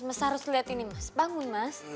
mas harus lihat ini mas bangun mas